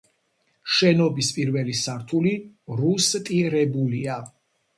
შენობის პირველი სართული რუსტირებულია.